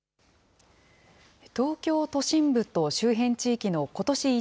東京都心部と周辺地域のことし